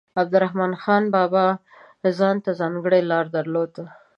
عبدالرحمان بابا ځانته ځانګړې لاره درلوده.